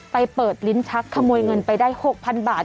ไปเปิดลิ้นชักขโมยเงินไปได้๖๐๐๐บาท